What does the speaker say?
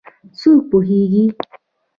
څوک پوهیږېي